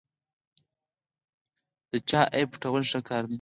د چا عیب پټول ښه کار دی.